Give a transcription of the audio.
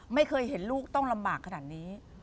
ไม่เคยเห็นลูกต้องลำบากขนาดนี้